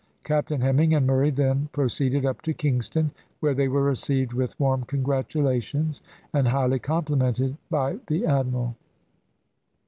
Captain Hemming and Murray then proceeded up to Kingston, where they were received with warm congratulations and highly complimented by the admiral.